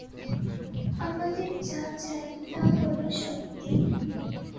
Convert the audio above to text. আমাদের যা চাই তা হল শক্তি।